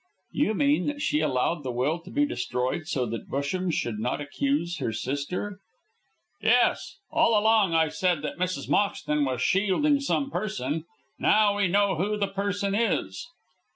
"You mean that she allowed the will to be destroyed so that Busham should not accuse her sister?" "Yes. All along I said that Mrs. Moxton was shielding some person; now we know who the person is."